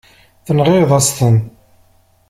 Tenɣiḍ-as-ten.